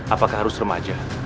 apakah harus remaja